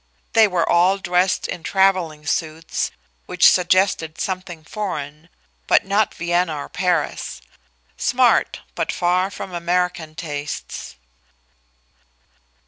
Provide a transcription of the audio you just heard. They were all dressed in traveling suits which suggested something foreign, but not Vienna nor Paris; smart, but far from American tastes.